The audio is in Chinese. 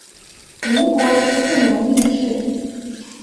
民国十四年病逝。